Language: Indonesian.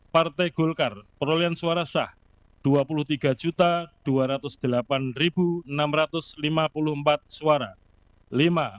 partai golkar perolehan suara sah dua puluh tiga dua ratus delapan enam ratus lima puluh empat suara